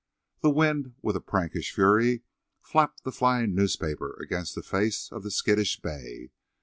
The wind, with a prankish flurry, flapped the flying newspaper against the face of the skittish bay.